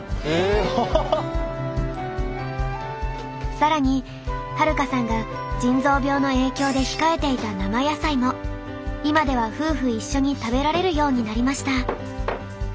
更にはるかさんが腎臓病の影響で控えていた生野菜も今では夫婦一緒に食べられるようになりました。